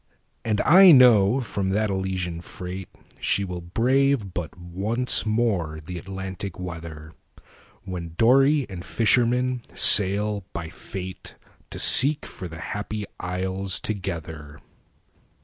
And I know from that Elysian freightShe will brave but once more the Atlantic weather, When dory and fisherman sail by fateTo seek for the Happy Isles together.